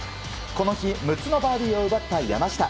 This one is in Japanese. この日６つのバーディーを奪った山下。